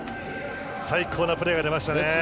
最高なプレーが出ましたね。